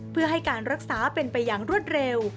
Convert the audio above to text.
เพื่อให้การรักษาเป็นไปอย่างรวดเร็ว